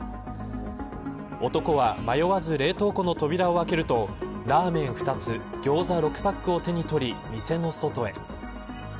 男は迷わず冷凍庫の扉を開けるとラーメン２つギョーザ６パックを手に取り店の外へ。